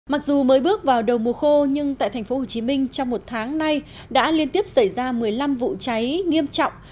mặc dù mới bước vào đầu mùa khô nhưng tại tp hcm trong một tháng nay đã liên tiếp xảy ra một mươi năm vụ cháy nghiêm trọng